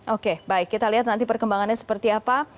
oke baik kita lihat nanti perkembangannya seperti apa